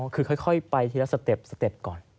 คือค่อยไปทีละสเต็ปสเต็ปก่อน